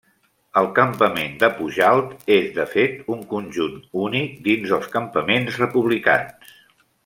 El campament de Pujalt és de fet un conjunt únic dins dels campaments republicans.